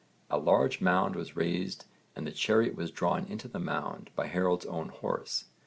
A large mound was raised and the chariot was drawn into the mound by Harold's own horse.